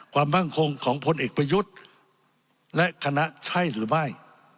มั่งคงของพลเอกประยุทธ์และคณะใช่หรือไม่